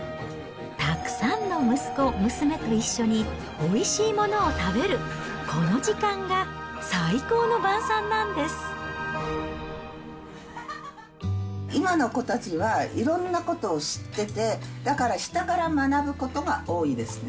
たくさんの息子、娘と一緒においしいものを食べる、今の子たちは、いろんなことを知ってて、だから下から学ぶことが多いですね。